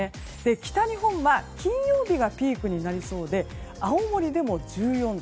北日本は金曜日がピークになりそうで青森でも１４度。